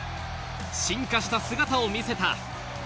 進化した姿を見せた。